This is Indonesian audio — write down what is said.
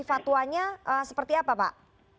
fatwanya seperti apa pak